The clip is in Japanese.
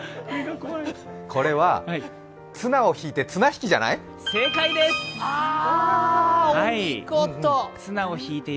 これはツナを弾いて綱引きじゃない？